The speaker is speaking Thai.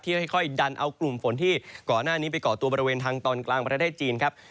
ค่อยดันเอากลุ่มฝนที่ก่อนหน้านี้ไปก่อตัวบริเวณทางตอนกลางประเทศจีนครับ